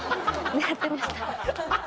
狙ってました。